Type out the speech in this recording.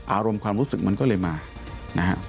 อารมณ์ความรู้สึกมันก็เลยมานะฮะ